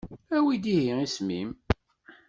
Awi-d ihi isem-im.